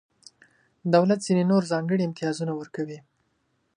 دولت ځینې نور ځانګړي امتیازونه ورکوي.